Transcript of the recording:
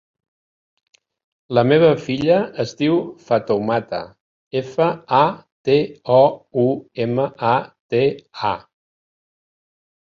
La meva filla es diu Fatoumata: efa, a, te, o, u, ema, a, te, a.